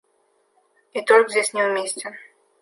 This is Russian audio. И торг здесь неуместен.